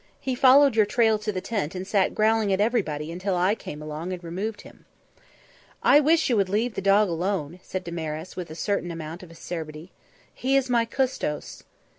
He followed your trail to the tent and sat growling at everybody until I came along and removed him." "I wish you would leave the dog alone," said Damaris, with a certain amount of acerbity. "He is my custos."